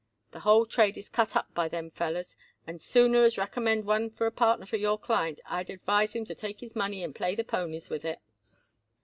The whole trade is cut up by them fellers and sooner as recommend one for a partner for your client, I'd advise him to take his money and play the ponies with it."